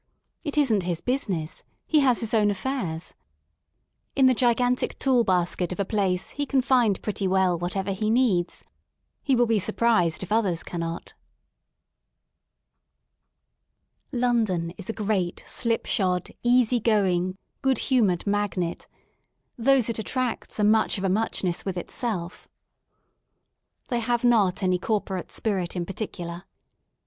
It isn't his business; he has his own affairs* In thegigantic tool basket of a place he can find pretty well whatever he needs He will be surprised if others cannot* VI London is a great, slip shod, easy going, good humoured magnet; ^those it attracts are much of a muchness with itself. They have not any Corporate spirit in particular.